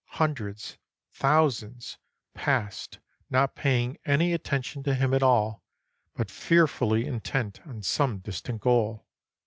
Hundreds, thousands, passed, not paying any attention to him at all, but fearfully in tent on some distant goal.